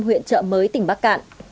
huyện trợ mới tỉnh bắc cạn